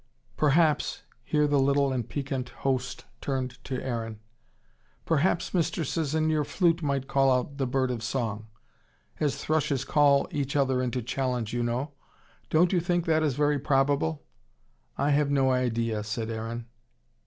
"Perhaps " here the little and piquant host turned to Aaron. "Perhaps Mr. Sisson, your flute might call out the bird of song. As thrushes call each other into challenge, you know. Don't you think that is very probable?" "I have no idea," said Aaron.